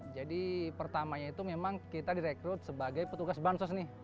jadi pertamanya itu memang kita direkrut sebagai petugas bantuan sosial